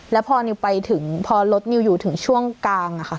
แล้วพอนิวไปถึงพอรถนิวอยู่ถึงช่วงกลางค่ะ